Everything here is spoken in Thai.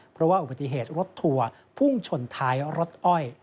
เพราะว่าอุบัติเหตุรถทัวร์พุ่งชนท้ายรถอ้อย